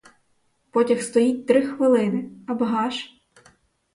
Потяг стоїть три хвилини, а багаж?